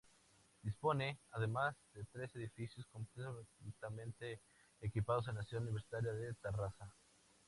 Dispone, además, de tres edificios completamente equipados en la ciudad universitaria de Tarrasa.